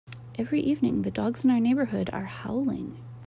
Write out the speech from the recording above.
Every evening, the dogs in our neighbourhood are howling.